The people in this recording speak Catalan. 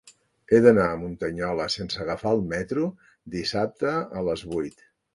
He d'anar a Muntanyola sense agafar el metro dissabte a les vuit.